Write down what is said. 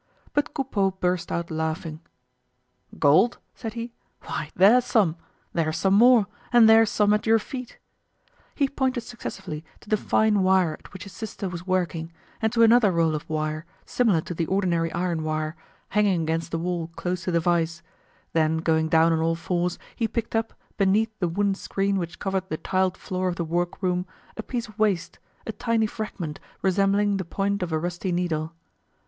But Coupeau burst out laughing. "Gold?" said he; "why there's some; there's some more, and there's some at your feet!" He pointed successively to the fine wire at which his sister was working, and to another roll of wire, similar to the ordinary iron wire, hanging against the wall close to the vise; then going down on all fours, he picked up, beneath the wooden screen which covered the tiled floor of the work room, a piece of waste, a tiny fragment resembling the point of a rusty needle.